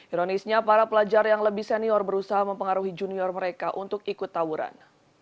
ironisnya para pelajar yang lebih senior berusaha mempengaruhi junior mereka untuk ikut tawuran